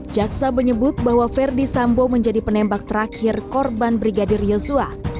jaksa menyebut bahwa verdi sambo menjadi penembak terakhir korban brigadir yosua